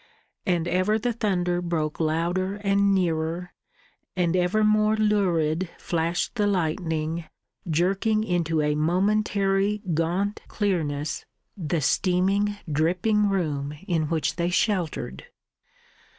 And ever the thunder broke louder and nearer, and ever more lurid flashed the lightning, jerking into a momentary gaunt clearness the steaming, dripping room in which they sheltered.